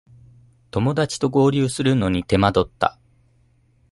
友だちと合流するのに手間取った